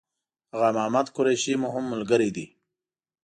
آغا محمد قریشي مو هم ملګری دی.